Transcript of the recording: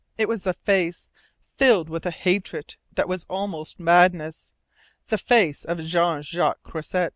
It was the face, filled with a hatred that was almost madness the face of Jean Jacques Croisset!